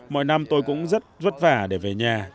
mọi năm tôi cũng rất vất vả để về nhà